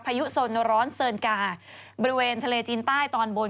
พายุโซนร้อนเซินกาบริเวณทะเลจีนใต้ตอนบน